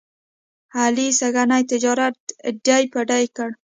علي سږني تجارت ډۍ په ډۍ کړ.